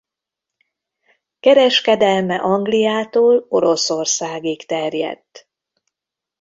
Kereskedelme Angliától Oroszországig terjedt.